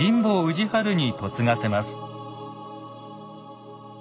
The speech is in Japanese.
氏張に嫁がせます。